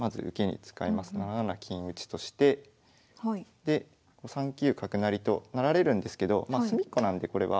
７七金打としてで３九角成と成られるんですけど隅っこなんでこれは。